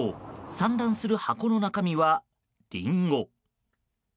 散乱する箱の中身はリンゴ。